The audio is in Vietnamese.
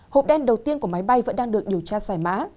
hộp đen đầu tiên của máy bay vẫn đang được điều tra giải mã